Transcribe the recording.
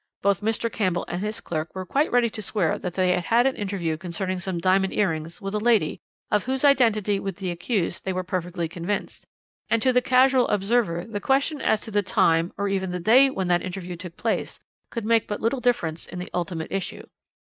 Both Mr. Campbell and his clerk were quite ready to swear that they had had an interview concerning some diamond earrings with a lady, of whose identity with the accused they were perfectly convinced, and to the casual observer the question as to the time or even the day when that interview took place could make but little difference in the ultimate issue.